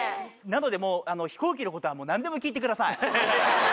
なので、もう、飛行機のことはもう、なんでも聞いてください。